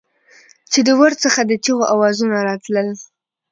چې د ورد څخه د چېغو اوزونه راتلل.